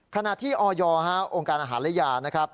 ขณะที่ออยอออาหารยานะครับ